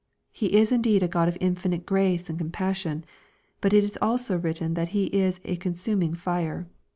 He is indeed a God of infinite grace and com passion. But it is also written, that He is " a consuming fire."